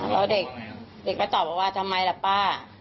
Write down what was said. แล้วเด็กก็ตอบว่าทำไมล่ะป้า